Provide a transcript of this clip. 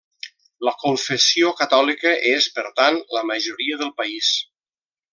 La confessió catòlica és, per tant, la majoria del país.